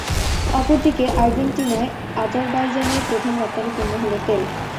অপরদিকে আর্জেন্টিনায়, আজারবাইজানের প্রধান রপ্তানি পণ্য হল তেল।